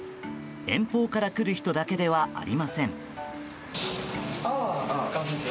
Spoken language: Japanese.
遠方から来る人だけではありません。